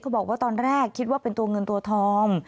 บอกว่าตอนแรกคิดว่าเป็นตัวเงินตัวทอง